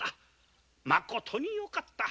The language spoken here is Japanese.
まことによかった。